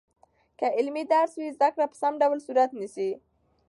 که عملي درس وي، زده کړه په سم ډول صورت نیسي.